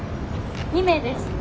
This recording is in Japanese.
２名です。